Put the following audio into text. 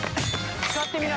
使ってみな。